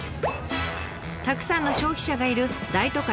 たくさんの消費者がいる大都会